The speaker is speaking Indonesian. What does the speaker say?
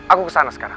aku kesana sekarang